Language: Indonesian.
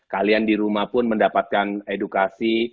kalian di rumah pun mendapatkan edukasi